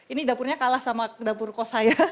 ini dapurnya kalah sama dapur kos saya